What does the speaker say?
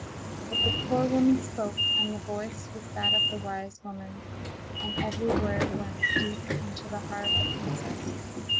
But the poor woman spoke, and the voice was that of the wise woman, and every word went deep into the heart of the princess.